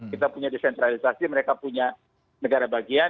kita punya desentralisasi mereka punya negara bagian